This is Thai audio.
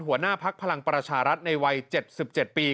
ภาคพลังประชารัฐในวัย๗๗ปี